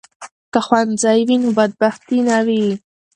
که ښوونځی وي نو بدبختي نه وي.